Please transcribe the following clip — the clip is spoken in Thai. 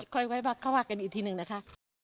ค่อยว่าเขาว่ากันอีกทีหนึ่งนะคะ